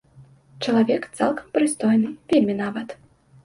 Чалавек цалкам прыстойны, вельмі нават.